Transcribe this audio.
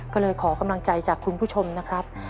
ก็เลยขอกำลังใจจากคุณผู้ชมนะครับ